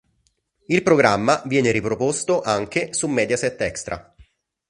Il programma viene riproposto, anche, su Mediaset Extra.